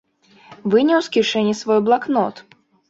Выняў з кішэні свой блакнот.